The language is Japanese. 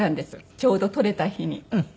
ちょうど取れた日に。